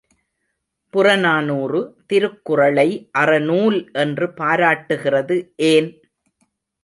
புறநானூறு, திருக்குறளை அறநூல் என்று பாராட்டுகிறது ஏன்?